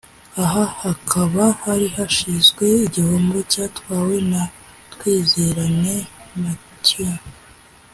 Aha hakaba hari hashyizwe igihembo cyatwawe na Twizerane Mathieu